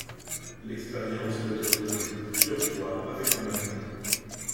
L'expérience peut être répétée plusieurs fois avec la même plante.